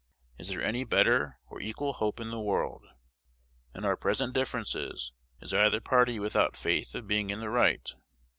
Is there any better or equal hope in the world? In our present differences, is either party without faith of being in the right?